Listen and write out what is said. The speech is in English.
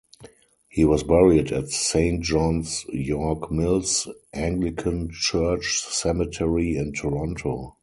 He was buried at Saint Johns York Mills Anglican Church Cemetery in Toronto.